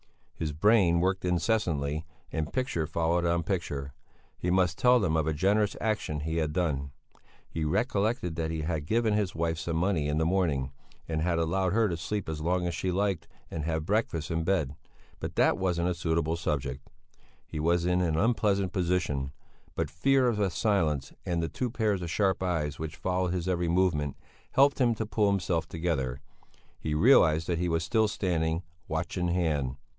His brain worked incessantly and picture followed on picture. He must tell them of a generous action he had done; he recollected that he had given his wife some money in the morning, and had allowed her to sleep as long as she liked and have breakfast in bed; but that wasn't a suitable subject. He was in an unpleasant position, but fear of a silence and the two pairs of sharp eyes which followed his every movement, helped him to pull himself together. He realized that he was still standing, watch in hand.